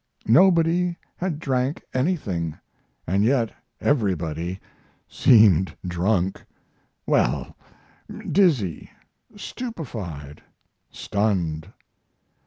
Nobody had drank anything, & yet everybody seemed drunk. Well dizzy, stupefied, stunned.